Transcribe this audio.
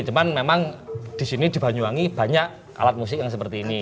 cuman memang di sini di banyuwangi banyak alat musik yang seperti ini